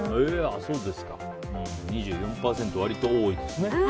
２４％、割と多いですね。